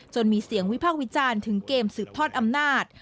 มีเสียงวิพากษ์วิจารณ์ถึงเกมสืบทอดอำนาจ